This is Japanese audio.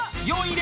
４位！